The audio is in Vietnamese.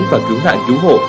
và cứu nạn cứu hộ